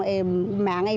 không ẩm không ẩm